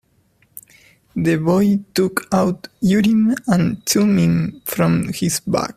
The boy took out Urim and Thummim from his bag.